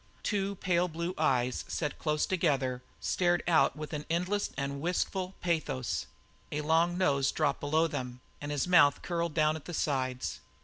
Two pale blue eyes, set close together, stared out with an endless and wistful pathos; a long nose dropped below them, and his mouth curled down at the sides.